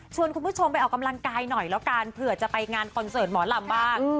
คุณผู้ชมไปออกกำลังกายหน่อยแล้วกันเผื่อจะไปงานคอนเสิร์ตหมอลำบ้าง